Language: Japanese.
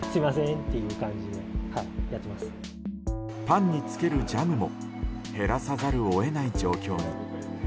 パンにつけるジャムも減らさざるを得ない状況に。